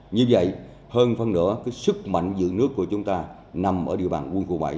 như vậy hơn phần nữa cái sức mạnh giữ nước của chúng ta nằm ở địa bàn quân khu bảy